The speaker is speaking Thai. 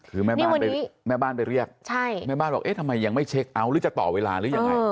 คือแม่บ้านแม่บ้านไปเรียกแม่บ้านบอกเอ๊ะทำไมยังไม่เช็คเอาท์หรือจะต่อเวลาหรือยังไง